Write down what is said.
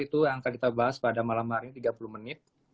itu yang akan kita bahas pada malam hari ini tiga puluh menit